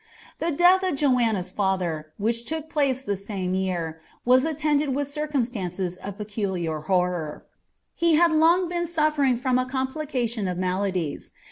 The death of Joanna's lather, which took place the nine vetr. *■ attended with circumstances of peculiar horror. He had long tien <^ fering from a complication of maladies.